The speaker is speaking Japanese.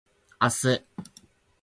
明日